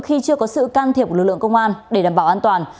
khi chưa có sự can thiệp của lực lượng công an để đảm bảo an toàn